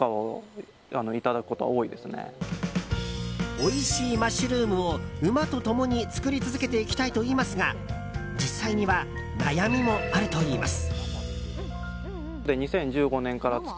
おいしいマッシュルームを馬と共に作り続けていきたいといいますが実際には悩みもあるといいます。